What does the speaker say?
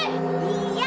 いや！